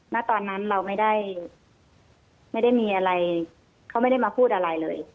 ณตอนนั้นเราไม่ได้มีอะไรเขาไม่ได้มาพูดอะไรเลย